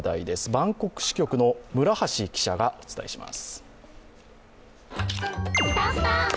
バンコク支局の村橋記者がお伝えします。